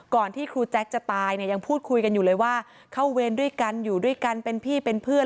ก่อนที่ครูแจ็คจะตายอย่างพูดคุยกันอยู่เลยว่าเข้าเวรอยู่ด้วยกันเป็นพี่เป็นเพื่อน